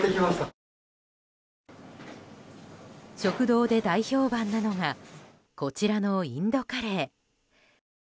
食堂で大評判なのがこちらのインドカレー。